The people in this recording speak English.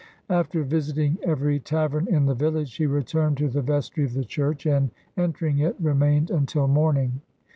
After visiting every tavern in the village, he returned to the vestry of the church, and, entering it, remained until morning.